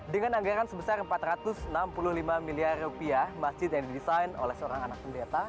dengan anggaran sebesar empat ratus enam puluh lima miliar rupiah masjid yang didesain oleh seorang anak pendeta